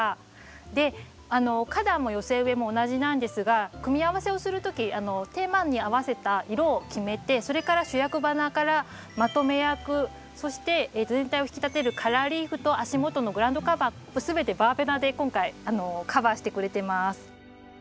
で花壇も寄せ植えも同じなんですが組み合わせをする時テーマに合わせた色を決めてそれから主役花からまとめ役そして全体を引き立てるカラーリーフと足元のグラウンドカバー全てバーベナで今回カバーしてくれてます。